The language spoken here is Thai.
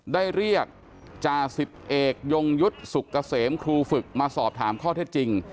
ได้เรียกจ่าสิบเอกยงยุทธ์สุกเกษมครูฝึกมาสอบถามข้อเท็จจริง